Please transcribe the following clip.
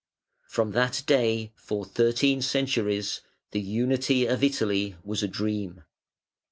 From that day for thirteen centuries the unity of Italy was a dream.